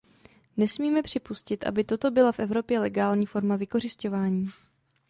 Nesmíme připustit, aby toto byla v Evropě legální forma vykořisťování.